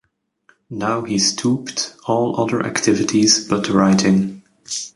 Now he stooped all other activities but writing.